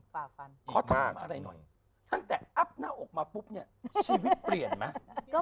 ขอถามอะไรหน่อยตั้งแต่อัพหน้าอกมาปุ๊บเนี่ยชีวิตเปลี่ยนไหม